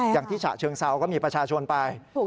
อย่างที่ฉะเชิงเซาก็มีประชาชนไป